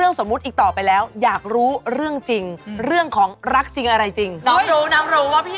นี่เป็นแค่เจนสถานการณ์สมมติ